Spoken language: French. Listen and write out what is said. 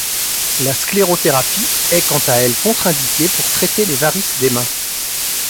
La sclérothérapie est quant à elle contre indiquée pour traiter les varices des mains.